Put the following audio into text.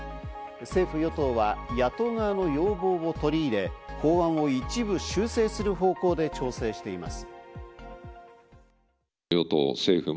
政府・与党は野党側の要望を取り入れ、法案を一部修正する方向で調整しています。